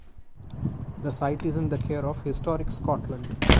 The site is in the care of Historic Scotland.